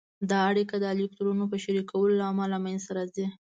دا اړیکه د الکترونونو په شریکولو له امله منځته راځي.